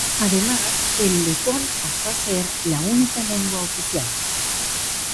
Además, el letón pasó a ser la única lengua oficial.